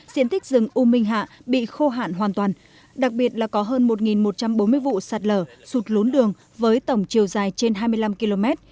diện tích rừng u minh hạ bị khô hạn hoàn toàn đặc biệt là có hơn một một trăm bốn mươi vụ sạt lở sụt lốn đường với tổng chiều dài trên hai mươi năm km